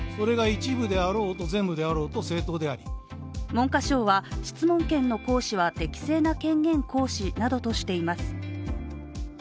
文科省は、質問権の行使は適正な権限行使などとしています。